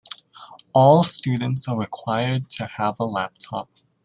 All students are required to have a laptop.